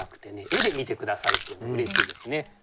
絵で見て下さるっていうのはうれしいですね。